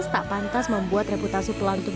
tak pantas membuat reputasi pelantung